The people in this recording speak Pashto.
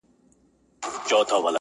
ته راته وعده خپل د کرم راکه,